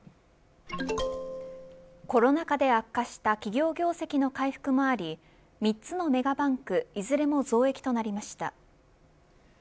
コロナ禍で悪化した企業業績の回復もあり３つのメガバンクいずれも増益となりました。